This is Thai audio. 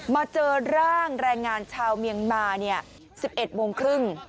มาเจอร่างแรงงานชาวเมียนมา๑๑โมงครึ่ง